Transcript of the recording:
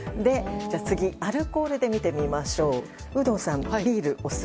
次、アルコールで見てみましょう。ですね。